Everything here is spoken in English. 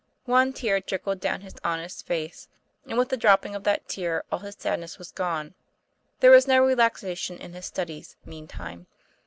One tear trickled down his honest face, and with the dropping of that tear all his sadness was gone. There was no relaxation in his studies, meantime.